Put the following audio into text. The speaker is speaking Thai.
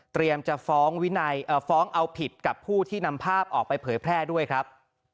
จะฟ้องเอาผิดกับผู้ที่นำภาพออกไปเผยแพร่ด้วยครับ